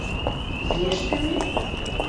Ешдыме?